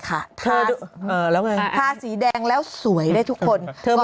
ค่ะอ่าแล้วไงภาษีแดงแล้วสวยให้ทุกคนเติม